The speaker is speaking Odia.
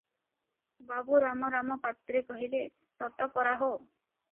ବାବୁ ରାମରାମ ପାତ୍ରେ କହିଲେ, "ସତ ପରା ହୋ!